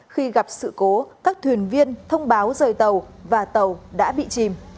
khi gặp sự cố các thuyền viên thông báo rời tàu và tàu đã bị chìm